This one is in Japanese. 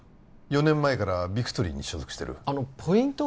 ４年前からビクトリーに所属してるあのポイント